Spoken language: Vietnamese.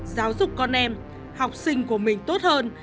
giáo dục con em học sinh của mình tốt hơn